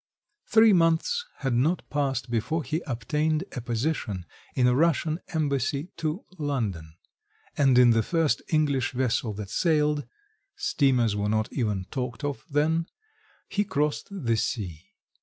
Three months had not passed before he obtained a position in a Russian embassy to London, and in the first English vessel that sailed (steamers were not even talked of then) he crossed the sea.